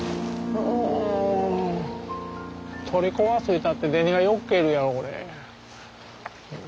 うん取り壊すというたって銭がようけいるやろこれ。